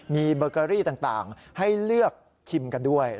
มีเบอร์เกอรี่ต่างให้เลือกชิมกันด้วย